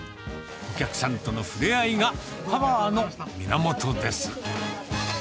お客さんとの触れ合いがパワーの源です。